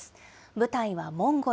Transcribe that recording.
舞台はモンゴル。